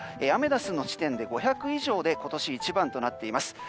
アメダスの地点で５００以上で今年一番となっています。